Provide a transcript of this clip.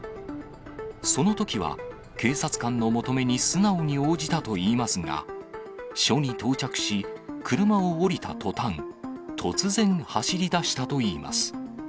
そのときは警察官の求めに素直に応じたといいますが、署に到着し、車を降りた途端、突然、走りだしたといいます。